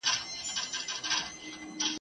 شمعي ته به نه وایو لمبه به سو بورا به سو ..